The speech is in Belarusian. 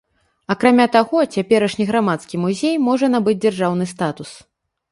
Акрамя таго, цяперашні грамадскі музей можа набыць дзяржаўны статус.